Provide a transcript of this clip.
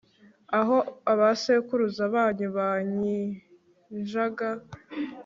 aho abasekuruza banyu banyinjaga